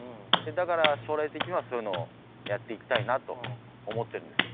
だから将来的にはそういうのをやっていきたいなと思ってるんです。